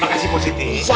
makasih mbak siti